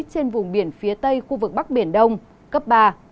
trên vùng biển phía tây khu vực bắc biển đông cấp ba